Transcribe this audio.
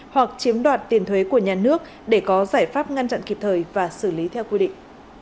hoặc chiếm đoạt tiền thuế của nhà nước để có giải pháp ngăn chặn kịp thời và xử lý theo quy định